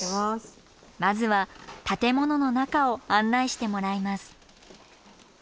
まずは建物の中を案内してもらいます。